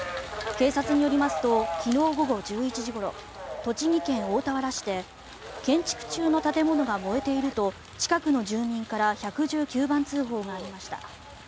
警察によりますと昨日午後１１時ごろ栃木県大田原市で建築中の建物が燃えていると近くの住人から１１９番通報がありました。